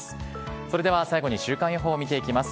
それでは最後に週間予報を見ていきます。